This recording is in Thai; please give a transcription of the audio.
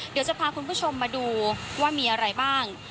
เดี๋ยวจะพาคุณผู้ชมมาดูว่ามีอะไรบ้าง